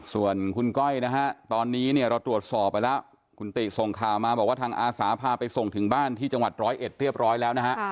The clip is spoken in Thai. ส่วนคุณก้อยนะฮะตอนนี้เนี่ยเราตรวจสอบไปแล้วคุณติส่งข่าวมาบอกว่าทางอาสาพาไปส่งถึงบ้านที่จังหวัดร้อยเอ็ดเรียบร้อยแล้วนะฮะ